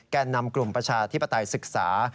แก่นำกลุ่มประชาธิปไตยศึกษา